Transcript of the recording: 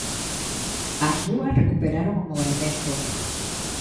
As rúas recuperaron o movemento.